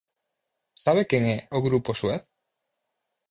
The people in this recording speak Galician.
¿Sabe quen é o Grupo Suez?